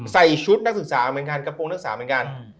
ใส่ชุดนักศึกษาเหมือนกันกระโปรงนักศึกษาเหมือนกัน